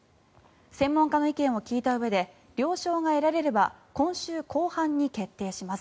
専門家の意見を聞いたうえで了承が得られれば今週後半に決定します。